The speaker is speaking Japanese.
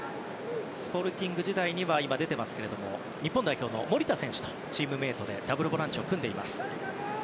スポルティング時代には日本代表の守田選手とチームメートでダブルボランチを組んでいました。